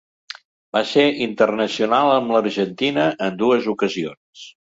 Va ser internacional amb l'Argentina en dues ocasions.